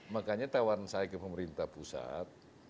makanya tawaran saya ke pemerintah pusat